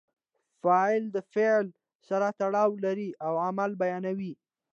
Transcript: فعل د فاعل سره تړاو لري او عمل بیانوي.